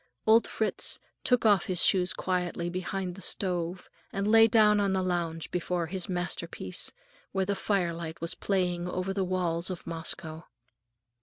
Old Fritz took off his shoes quietly behind the stove and lay down on the lounge before his masterpiece, where the firelight was playing over the walls of Moscow.